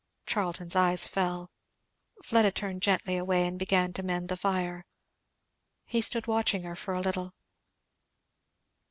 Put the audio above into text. Charlton's eyes fell. Fleda turned gently away and began to mend the fire. He stood watching her for a little.